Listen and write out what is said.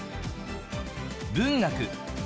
文学。